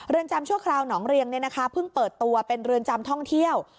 เรือนจำชั่วคราวหนองเรียงเนี้ยนะคะเพิ่งเปิดตัวเป็นเรือนจำท่องเที่ยว